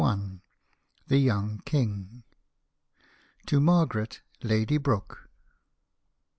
\ L HE YOVNG KING 4 A TO MARGARET, LADY BROOKE.